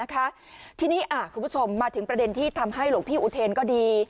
พิทธิ์สมมาถึงประเด็นที่ทำให้หลวงพี่อูเธนก็ดี